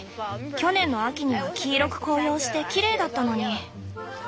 去年の秋には黄色く紅葉してきれいだったのに。